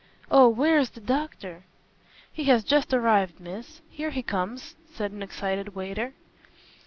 Oh, where is the doctor!" "He has just arrived, miss. Here he comes," said an excited waiter.